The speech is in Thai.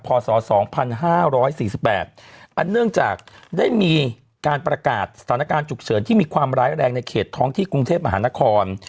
พศสองพันห้าร้อยสี่สิบแปดอันเนื่องจากได้มีการประกาศสถานการณ์ฉุกเฉินที่มีความร้ายแรงในเขตท้องที่กรุงเทพมหานคร